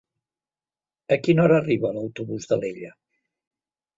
A quina hora arriba l'autobús d'Alella?